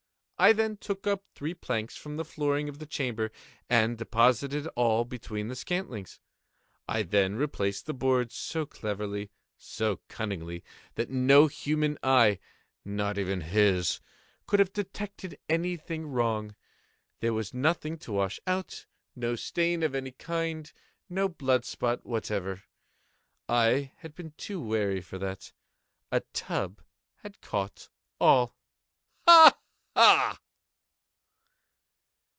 I then took up three planks from the flooring of the chamber, and deposited all between the scantlings. I then replaced the boards so cleverly, so cunningly, that no human eye—not even his—could have detected any thing wrong. There was nothing to wash out—no stain of any kind—no blood spot whatever. I had been too wary for that. A tub had caught all—ha! ha!